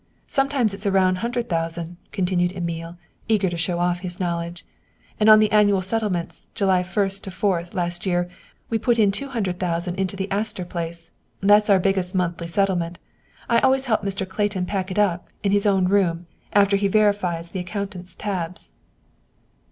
"Sometimes it's a round hundred thousand," continued Emil, eager to show off his knowledge, "and on the annual settlements, July 1 to 4th, last year we put in two hundred thousand into the Astor Place. That's our biggest monthly settlement. I always help Mr. Clayton pack it up, in his own room, after he verifies the accountant's tabs."